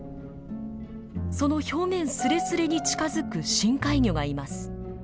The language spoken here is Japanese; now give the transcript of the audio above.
その表面すれすれに近づく深海魚がいます。